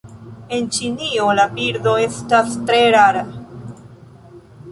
En Ĉinio la birdo estas tre rara.